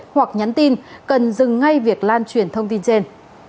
hoặc nhắn tin cần dừng ngay việc lan truyền thông tin trên